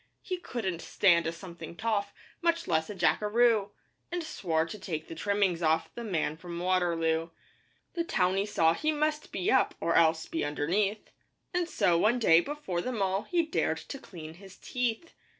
He couldn't stand a something toff, Much less a jackaroo; And swore to take the trimmings off The Man from Waterloo. The towny saw he must be up Or else be underneath, And so one day, before them all, He dared to clean his teeth.